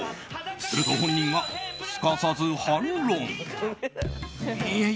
すると本人がすかさず反論。